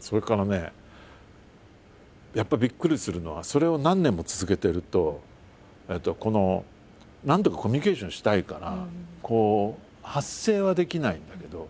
それからねやっぱびっくりするのはそれを何年も続けてるとこのなんとかコミュニケーションしたいから発声はできないんだけど